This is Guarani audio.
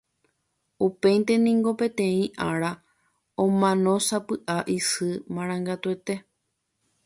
Upéinte niko, peteĩ ára, omanósapy'a isy marangatuete.